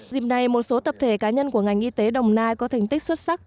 dịp này một số tập thể cá nhân của ngành y tế đồng nai có thành tích xuất sắc